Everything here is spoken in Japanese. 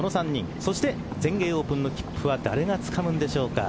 そして全英オープンの切符は誰がつかむんでしょうか。